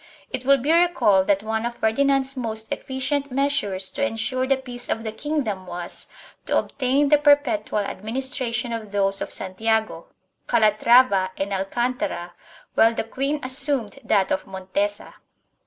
It will be recalled that one of Ferdinand's most efficient measures to ensure the peace of the kingdom was to obtain the perpetual administration of those of Santiago, Calatrava and Alcantara, while the queen assumed that of Mon tesa.